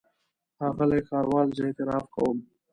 ښاغلی ښاروال زه اعتراف کوم.